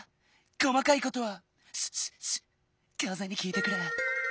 こまかいことはシュッシュッシュかぜにきいてくれ。